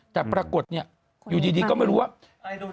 แต่ปรากฏเนี่ยอยู่ดีก็ไม่รู้ว่า